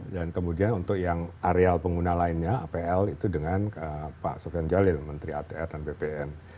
dan kemudian untuk yang areal pengguna lainnya apl itu dengan pak sofian jalil menteri atr dan bpn